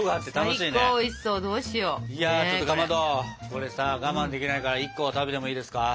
ちょっとかまどこれさ我慢できないから１個は食べてもいいですか？